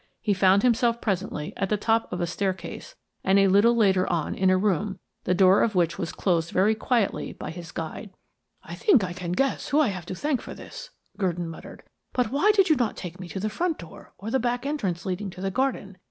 He found himself presently at the top of a staircase, and a little later on in a room, the door of which was closed very quietly by his guide. "I think I can guess who I have to thank for this," Gurdon murmured. "But why did you not take me to the front door, or the back entrance leading to the garden?